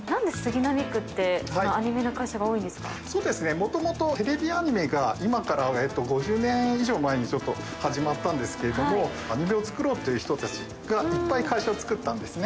もともとテレビアニメが今から５０年以上前に始まったんですけれどもアニメを作ろうという人たちがいっぱい会社を作ったんですね。